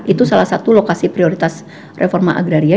itu salah satu lokasi prioritas reforma agraria